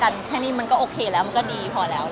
แค่นี้มันก็โอเคแล้วมันก็ดีพอแล้ว